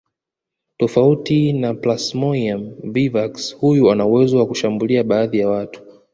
Tofauti na Plasmoium vivax huyu ana uwezo wa kushambulia baadhi ya watu